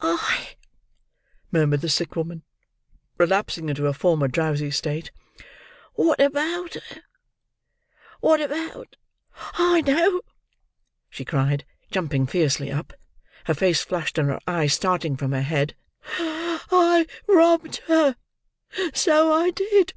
"Ay," murmured the sick woman, relapsing into her former drowsy state, "what about her?—what about—I know!" she cried, jumping fiercely up: her face flushed, and her eyes starting from her head—"I robbed her, so I did!